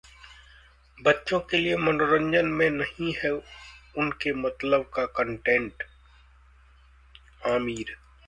बच्चों के लिए मनोरंजन में नहीं है उनके मतलब का कंटेंट: आमिर